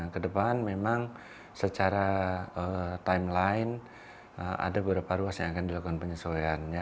kedepan memang secara timeline ada beberapa ruas yang akan dilakukan penyesuaiannya